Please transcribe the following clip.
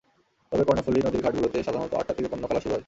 তবে কর্ণফুলী নদীর ঘাটগুলোতে সকাল আটটা থেকে পণ্য খালাস শুরু হয়।